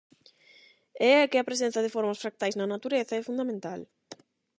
E é que a presenza de formas fractais na natureza é fundamental.